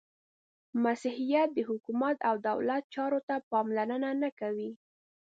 • مسیحیت د حکومت او دولت چارو ته پاملرنه نهکوي.